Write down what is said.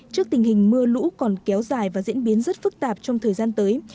trước tình hình mưa lũ còn kéo dài và diễn biến rất phức tạp trong thời gian tới